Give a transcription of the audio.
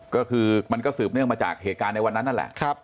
ก็คือมันก็สืบเนื่องมาจากเหตุการณ์ในวันนั้นนั่นแหละ